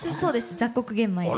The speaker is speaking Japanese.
雑穀玄米で。